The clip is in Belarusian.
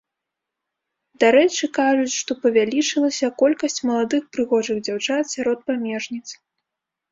Дарэчы, кажуць, што павялічылася колькасць маладых прыгожых дзяўчат сярод памежніц.